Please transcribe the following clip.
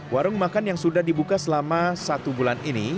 warung makan yang sudah dibuka selama satu bulan ini